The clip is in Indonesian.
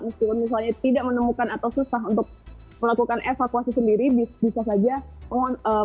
meskipun misalnya tidak menemukan atau susah untuk melakukan evakuasi sendiri bisa saja